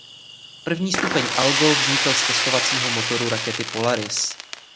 První stupeň Algol vznikl z testovacího motoru rakety Polaris.